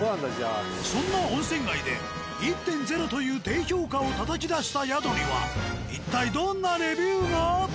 そんな温泉街で１．０という低評価をたたき出した宿には一体どんなレビューが！？